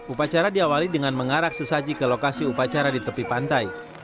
upacara diawali dengan mengarak sesaji ke lokasi upacara di tepi pantai